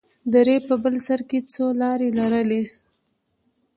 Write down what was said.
درې په بر سر کښې څو لارې لرلې.